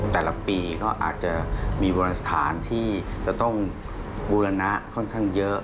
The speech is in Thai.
แต่ละปีก็อาจจะมีวรสถานที่จะต้องบูรณะค่อนข้างเยอะ